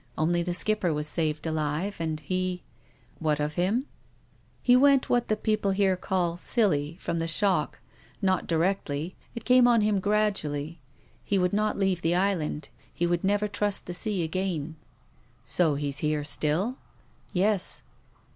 Only the skipper was saved alive. And he —"" What of him ?"" He went what the people here call ' silly ' from the shock — not directly. It came on him gradu ally. He would not leave the island. He would never trust the sea again." " So he's here still ?" "Yes."